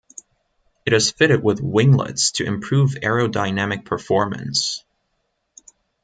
It is fitted with winglets to improve aerodynamic performance.